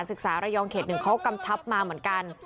ศึกษาระยองเขตหนึ่งเขากำชับมาเหมือนกัน